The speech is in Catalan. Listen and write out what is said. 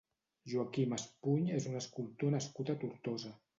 Joaquim Espuny és un escultor nascut a Tortosa.